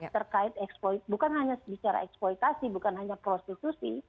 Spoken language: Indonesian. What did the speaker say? terkait eksploitasi bukan hanya bicara eksploitasi bukan hanya prostitusi